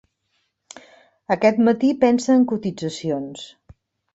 Aquest matí pensa en cotitzacions.